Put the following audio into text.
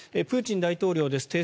プーチン大統領です。